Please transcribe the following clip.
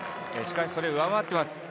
しかし、それを上回っています。